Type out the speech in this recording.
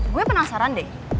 gue penasaran deh